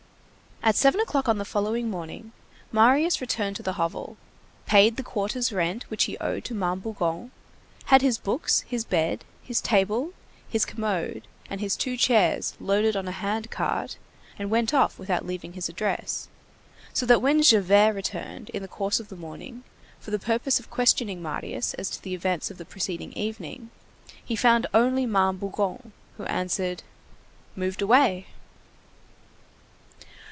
At seven o'clock on the following morning, Marius returned to the hovel, paid the quarter's rent which he owed to Ma'am Bougon, had his books, his bed, his table, his commode, and his two chairs loaded on a hand cart and went off without leaving his address, so that when Javert returned in the course of the morning, for the purpose of questioning Marius as to the events of the preceding evening, he found only Ma'am Bougon, who answered: "Moved away!"